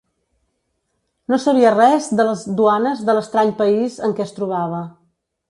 No sabia res de les duanes de l'estrany país en què es trobava.